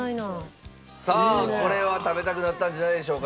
さあこれは食べたくなったんじゃないでしょうか？